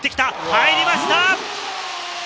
入りました！